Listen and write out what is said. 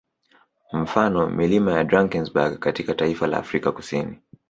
Mfano milima ya Drankesberg katika taifa la Afrika Kusini